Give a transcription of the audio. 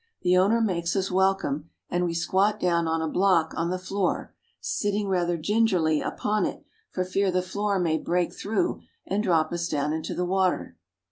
The owner makes us welcome, and we squat down on a block on the floor, sitting rather gingerly upon it for fear the floor may break through and drop us down into the water.